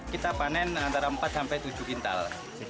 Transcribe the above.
kita panen antara empat sampai tujuh kintal